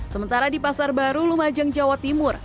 sementara di pasar baru lumajang jawa timur